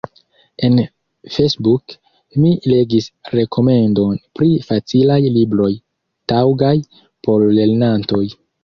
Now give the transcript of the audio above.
En Facebook mi legis rekomendon pri facilaj libroj taŭgaj por lernantoj.